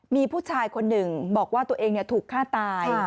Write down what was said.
มีผู้ชายคนหนึ่งบอกว่าตัวเองถูกฆ่าตาย